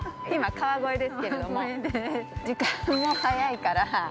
今、川越ですけれども、時間も早いから。